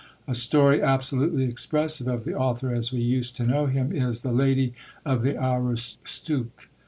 A story absolutely expressive of the author as we used to know him is The Lady of the Aroostook.